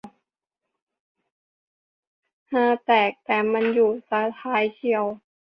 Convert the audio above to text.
ฮาแตก แต่มันอยู่ซะท้ายเชียว